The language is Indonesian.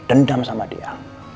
dendam sama dia